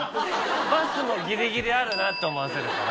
バスもギリギリあるなって思わせるから。